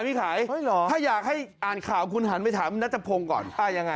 ถ้าอยากให้อ่านข่าวคุณหันไปถามนัทจะพงก่อน